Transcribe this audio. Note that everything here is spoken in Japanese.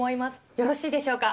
よろしいでしょうか。